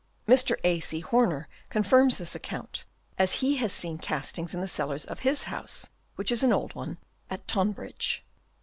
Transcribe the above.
Mr. A. C. Horner confirms this account, as he has seen castings in the cellars of his house, which is an old one, at Tonbridge.